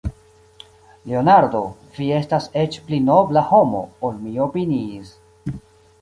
Leonardo, vi estas eĉ pli nobla homo, ol mi opiniis.